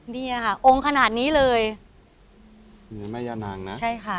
เนี่ยค่ะองค์ขนาดนี้เลยนี่แม่ย่านางนะใช่ค่ะ